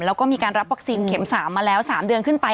แล้วก็มีการรับวัคซีนเข็ม๓มาแล้ว๓เดือนขึ้นไป